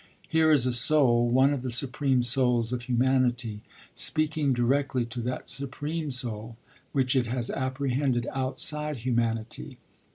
Here is a soul, one of the supreme souls of humanity, speaking directly to that supreme soul which it has apprehended outside humanity.